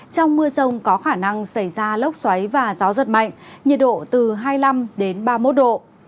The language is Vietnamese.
trong mưa rông có khả năng xảy ra lốc xoáy và gió giật mạnh nhiệt độ từ hai mươi năm đến ba mươi một độ